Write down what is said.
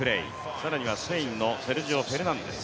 更にはスペインのセルジオ・フェルナンデス。